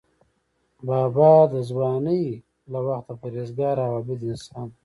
بابا د ځوانۍ له وخته پرهیزګار او عابد انسان و.